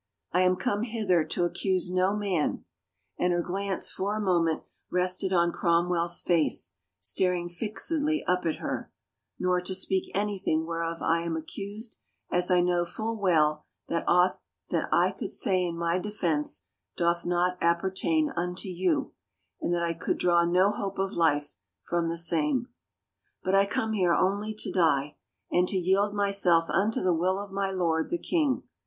I am come hither to accuse no man," and her glance for a moment rested on Cromwell's face, staring fixedly up at her, nor to speak anything whereof I am accused as I know full well that aught that I could say in my defense doth not appertain unto you and that I could draw no hope of life from the same. ... But I come here only to die ... and to yield myself unto the will of my lord, the king.